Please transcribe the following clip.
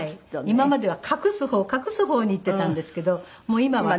今までは「隠す方隠す方」にいってたんですけどもう今は。